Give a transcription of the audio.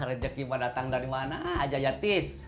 rezeki mah datang dari mana aja ya tis